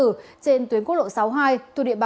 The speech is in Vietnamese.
trên tuyến quốc lộ sáu mươi hai từ địa bàn huyện thạnh hóa